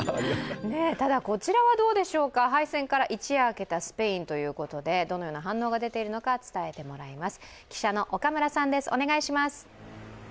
ただこちらはどうでしょうか、敗戦から一夜明けたスペインということで、どのような反応が出ているのか、伝えてもらいます。